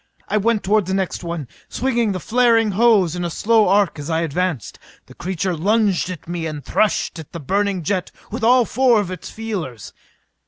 I went toward the next one, swinging the flaring hose in a slow arc as I advanced. The creature lunged at me and threshed at the burning jet with all four of its feelers.